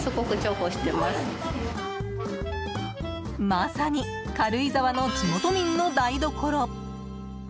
まさに軽井沢の地元民の台所。